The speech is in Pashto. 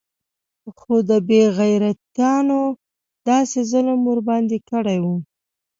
خو دې بې غيرتانو داسې ظلم ورباندې کړى و.